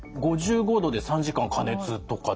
℃で３時間加熱とか。